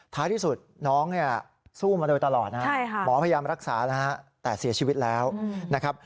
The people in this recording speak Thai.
ท้ายที่สุดน้องเนี่ยสู้มาโดยตลอดนะครับหมอพยายามรักษานะฮะแต่เสียชีวิตแล้วนะครับ